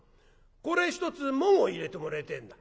これひとつ紋を入れてもらいてえんだ」。